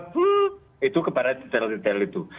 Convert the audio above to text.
full itu kepada detail detail itu